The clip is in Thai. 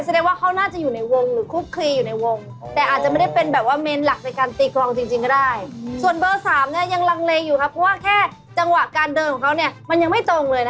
ซึ่งแก่ว่าเขาน่าจะอยู่ในวงหรือคู่คลีอยู่ในวง